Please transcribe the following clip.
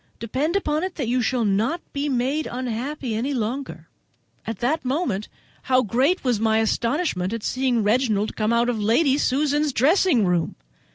Depend upon it that you shall not be made unhappy any longer." At that moment how great was my astonishment at seeing Reginald come out of Lady Susan's dressing room.